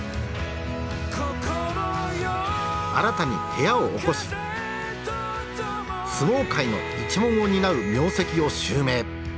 新たに部屋をおこし相撲界の一門を担う名跡を襲名。